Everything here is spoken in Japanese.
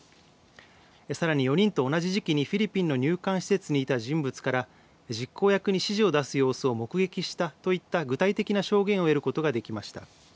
さらに４人と同じ時期にフィリピンの入管施設にいた人物から実行役に指示を出す様子を目撃したといった具体的な証言を得ることができました。